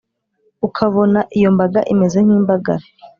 ukabona iyo mbaga imeze nk’imbagara